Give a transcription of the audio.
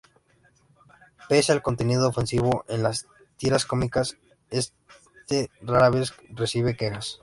Pese al contenido ofensivo en las tiras cómicas, este rara vez recibe quejas.